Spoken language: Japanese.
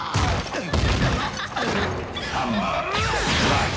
うっ。